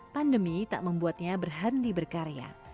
pandemi tak membuatnya berhenti berkarya